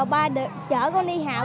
ba chở con đi học